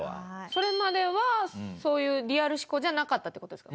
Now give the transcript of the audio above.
それまではそういうリアル志向じゃなかったって事ですか？